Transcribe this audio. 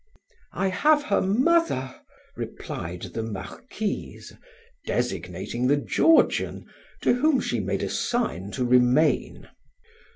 "I have her mother," replied the Marquise, designating the Georgian, to whom she made a sign to remain.